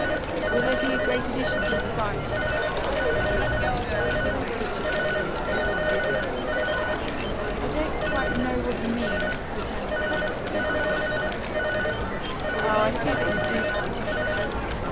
"Will they be a great addition to society?" asked Bromfield Corey, with unimpeachable seriousness. "I don't quite know what you mean," returned the son, a little uneasily. "Ah, I see that you do, Tom."